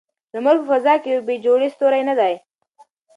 لمر په فضا کې یو بې جوړې ستوری نه دی.